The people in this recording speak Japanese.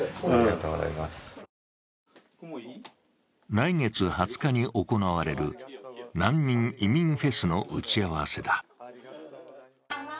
来月２０日に行われる難民・移民フェスの打ち合わせだ。